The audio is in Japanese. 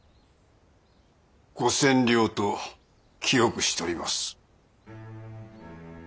５千両と記憶しております。